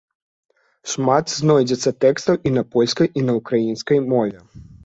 Шмат знойдзецца тэкстаў і на польскай, і на ўкраінскай мове.